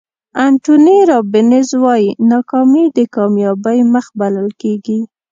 انتوني رابینز وایي ناکامي د کامیابۍ مخ بلل کېږي.